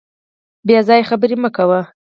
بې ځایه خبري مه کوه .